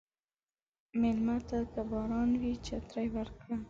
مېلمه ته که باران وي، چترې ورکړه.